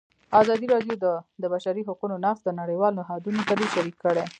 ازادي راډیو د د بشري حقونو نقض د نړیوالو نهادونو دریځ شریک کړی.